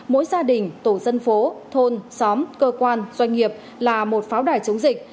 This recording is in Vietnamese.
mỗi gia đình tổ dân phố thôn xóm cơ quan doanh nghiệp là một pháo đài chống dịch